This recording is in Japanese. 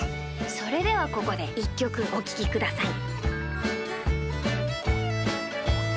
それではここで１きょくおききください。